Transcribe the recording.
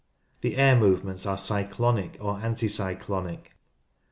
The air movements are cyclonic or anticy clonic.